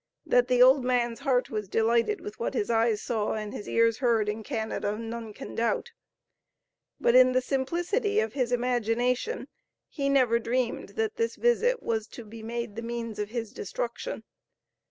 That the old man's heart was delighted with what his eyes saw and his ears heard in Canada, none can doubt. But in the simplicity of his imagination, he never dreamed that this visit was to be made the means of his destruction.